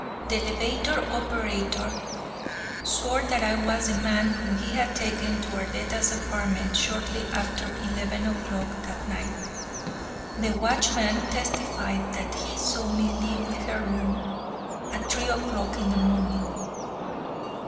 The elevator operator swore that I was the man whom he had taken to Arletta's apartments shortly after eleven o'clock that night. The watchman testified that he saw me leave her room at three o'clock in the morning.